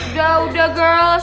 udah udah girls